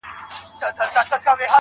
ولې ډېرې په روزګار کې دي خَچَنې